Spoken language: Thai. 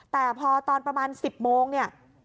แต่พอตอนประมาณ๑๐โมงเนี่ย